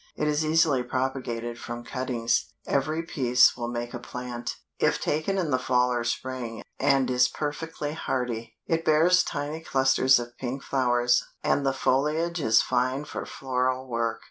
It is easily propagated from cuttings; every piece will make a plant, if taken in the fall or spring, and is perfectly hardy. It bears tiny clusters of pink flowers, and the foliage is fine for floral work.